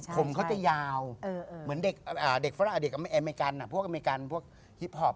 ผมเขาเต้ยาวเหมือนเด็กอเมริกันพวกอเมริกันพวกฮิปพอป